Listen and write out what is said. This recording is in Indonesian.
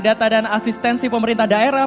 data dan asistensi pemerintah daerah